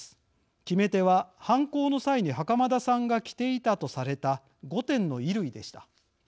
決め手は犯行の際に袴田さんが着ていたとされた５点の衣類でした。